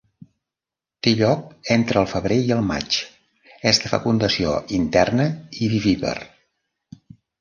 Té lloc entre el febrer i el maig, és de fecundació interna i vivípar.